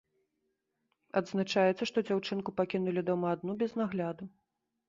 Адзначаецца, што дзяўчынку пакінулі дома адну без нагляду.